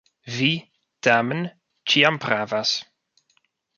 Vi, tamen, ĉiam pravas.